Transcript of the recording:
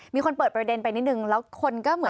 มีคนเปิดประเด็นไปนิดนึงแล้วคนก็เหมือน